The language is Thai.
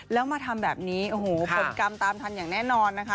แล้วมาทำแบบนี้โอ้โหผลกรรมตามทันอย่างแน่นอนนะคะ